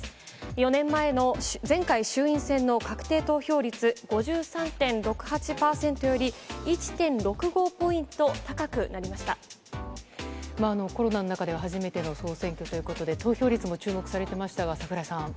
４年前の前回衆院選の確定投票率５３．６８％より１．６５ポインコロナの中では初めての総選挙ということで、投票率も注目されてましたが、櫻井さん。